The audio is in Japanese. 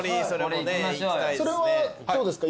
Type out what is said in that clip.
それはどうですか？